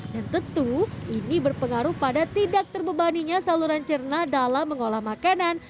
dan tentu ini berpengaruh pada tidak terbebaninya saluran cerna dalam mengolah makanan